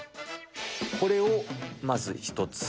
これをまず一つ。